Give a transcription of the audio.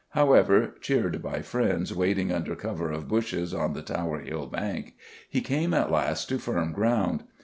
However, cheered by friends waiting under cover of bushes on the Tower Hill bank, he came at last to firm ground.